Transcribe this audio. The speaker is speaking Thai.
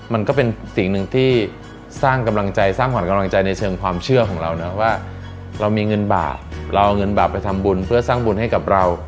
มันก็เป็นสิ่งหนึ่งที่สร้างกำลังใจสร้างขวัญกำลังใจในเชิงความเชื่อของเรานะว่าเรามีเงินบาทเราเอาเงินบาทไปทำบุญเพื่อสร้างบุญให้กับเรา